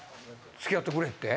「付き合ってくれ」って。